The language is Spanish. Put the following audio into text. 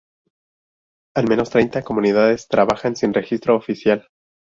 Al menos treinta comunidades trabajan sin registro oficial.